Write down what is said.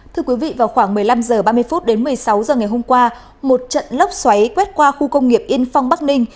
thưa quý vị vào khoảng một mươi năm h ba mươi đến một mươi sáu h ngày hôm qua một trận lốc xoáy quét qua khu công nghiệp yên phong bắc ninh